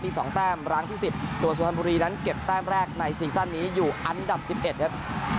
มี๒แต้มร้างที่๑๐ส่วนสุพรรณบุรีนั้นเก็บแต้มแรกในซีซั่นนี้อยู่อันดับ๑๑ครับ